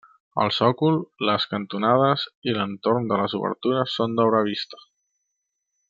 El sòcol, les cantonades i l'entorn de les obertures són d'obra vista.